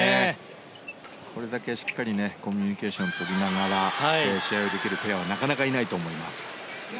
これだけしっかりコミュニケーション取りながら試合をできるペアはなかなかいないと思います。